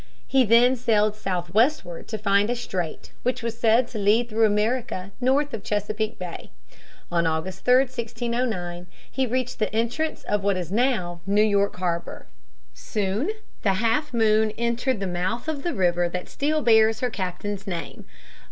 He then sailed southwestward to find a strait, which was said to lead through America, north of Chesapeake Bay. On August 3, 1609, he reached the entrance of what is now New York harbor. Soon the Half Moon entered the mouth of the river that still bears her captain's name.